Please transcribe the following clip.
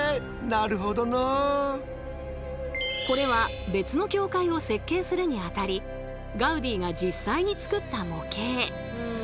これは別の教会を設計するにあたりガウディが実際につくった模型。